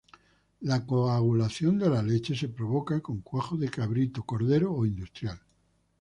La coagulación de la leche se provoca con cuajo de cabrito, cordero o industrial.